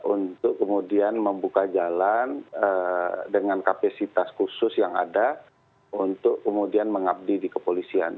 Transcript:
untuk kemudian membuka jalan dengan kapasitas khusus yang ada untuk kemudian mengabdi di kepolisian